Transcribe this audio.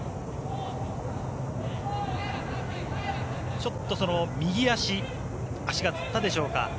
ちょっと右足足がつったでしょうか。